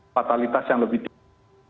fatalitas yang lebih tinggi